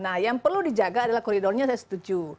nah yang perlu dijaga adalah koridornya saya setuju